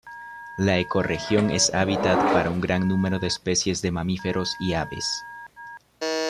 La ecorregión es hábitat para un gran número de especies de mamíferos y aves.